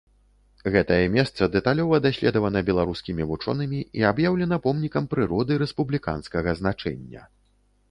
Гэтае месца дэталёва даследавана беларускімі вучонымі і аб'яўлена помнікам прыроды рэспубліканскага значэння.